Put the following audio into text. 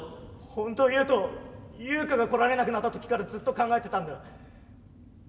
本当言うとユウカが来られなくなった時からずっと考えてたんだ。